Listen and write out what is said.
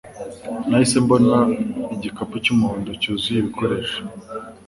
Nahise mbona igikapu cy'umuhondo cyuzuye ibikoresho